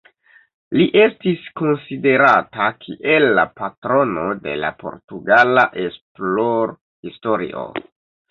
Li estis konsiderata kiel la patrono de la Portugala esplorhistorio.